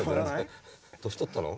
年取ったの？